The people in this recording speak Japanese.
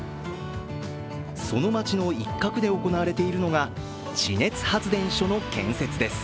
その街の一角で行われているのが地熱発電所の建設です。